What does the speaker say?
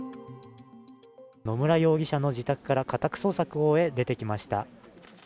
野村容疑者の自宅から家宅捜索を終え出てきました。